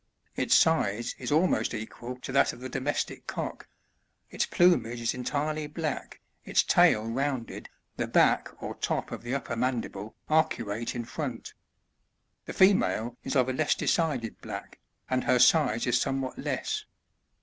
Its size is almost equal to that of the domestic cock ; its plumage is entirely black, its tail rounded, the back or top of the upper mandible arcuate in front. The female is of a less decided black, and her size is somewhat less.